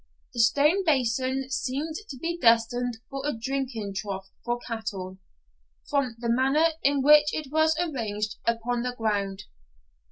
The stone basin seemed to be destined for a drinking trough for cattle, from the manner in which it was arranged upon the ground.